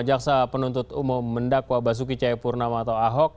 jaksa penuntut umum mendakwa basuki cayapurnama atau ahok